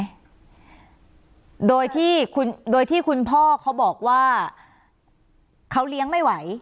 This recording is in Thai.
คุณอาเลี้ยงไว้ถูกไหมโดยที่คุณพ่อเขาบอกว่าเขาเลี้ยงไม่ไหว